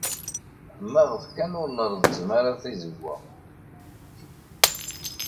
Maɣef kan ur nreẓẓem ara tizewwa?